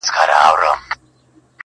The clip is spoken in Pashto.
څارنوال ته پلار ویله دروغجنه،